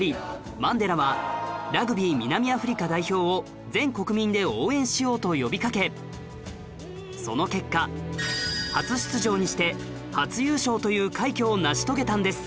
マンデラはラグビー南アフリカ代表を全国民で応援しようと呼びかけその結果初出場にして初優勝という快挙を成し遂げたんです